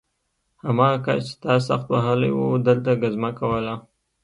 هماغه کس چې تا سخت وهلی و دلته ګزمه کوله